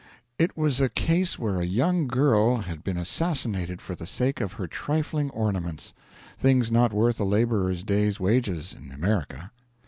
It was a case where a young girl had been assassinated for the sake of her trifling ornaments, things not worth a laborer's day's wages in America.